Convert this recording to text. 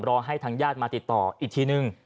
ให้ทางญาติมาติดต่ออีกทีนึง